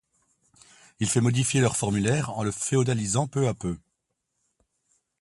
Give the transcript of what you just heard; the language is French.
Il fait modifier leur formulaire en le féodalisant peu à peu.